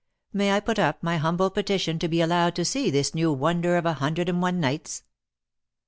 May I put up my humble petition to be allowed to see this new wonder of a 'hundred and one nights?'"